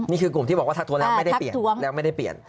นี่คือกลุ่มที่บอกว่าทักท้วงแล้วไม่ได้เปลี่ยน